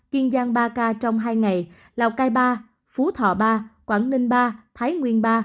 kiên giang ba ca trong hai ngày lào cai ba phú thọ ba quảng ninh ba thái nguyên ba